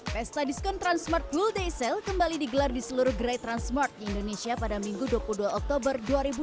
pesta diskon transmart full day sale kembali digelar di seluruh gerai transmart di indonesia pada minggu dua puluh dua oktober dua ribu dua puluh